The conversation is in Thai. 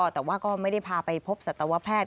แต่ว่าก็ไม่ได้พาไปพบสัตวแพทย์